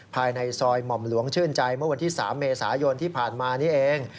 ภายในซอยหม่อมหลวงชื่นใจเมื่อวันที่๓เมษายนที่ผ่านมานี่เอง